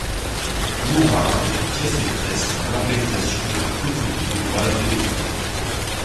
Lourmarin est une pièce maîtresse dans l'organisation de la communauté vaudoise de l'époque.